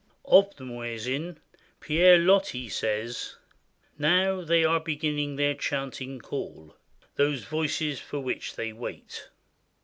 Of the muezzin Pierre Loti says: — "Now they are beginning their chanting call — those voices for which they wait.